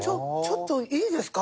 ちょっといいですか？